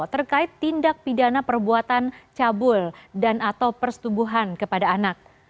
terkait tindak pidana perbuatan cabul dan atau persetubuhan kepada anak